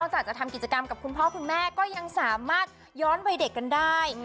จากจะทำกิจกรรมกับคุณพ่อคุณแม่ก็ยังสามารถย้อนวัยเด็กกันได้